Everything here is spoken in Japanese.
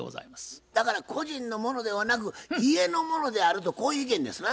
だから個人のものではなく家のものであるとこういう意見ですな？